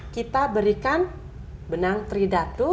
kita berikan benang tridatu